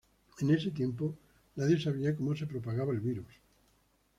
En ese tiempo nadie sabía cómo se propagaba el virus.